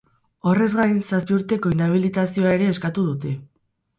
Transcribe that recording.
Horrez gain, zazpi urteko inhabilitazioa ere eskatu dute.